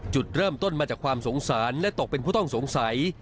จุดเริ่มต้นมาจากความสงสารและตกเป็นผู้ต้องสงสัย